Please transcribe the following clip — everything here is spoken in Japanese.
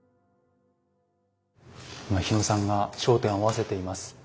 今日野さんが焦点合わせています。